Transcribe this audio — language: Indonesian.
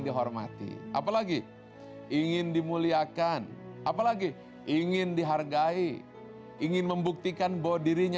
dihormati apalagi ingin dimuliakan apalagi ingin dihargai ingin membuktikan bahwa dirinya